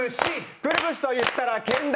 くるぶしといったらけん玉。